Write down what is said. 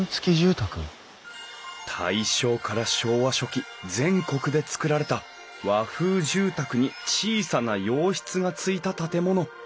大正から昭和初期全国で造られた和風住宅に小さな洋室がついた建物。